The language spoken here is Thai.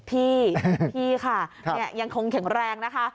พี่พี่ค่ะยังคงแข็งแรงนะคะ